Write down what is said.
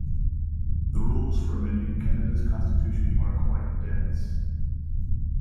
The rules for amending Canada's constitution are quite dense.